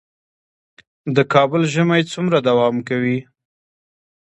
د کابل ژمی څومره دوام کوي؟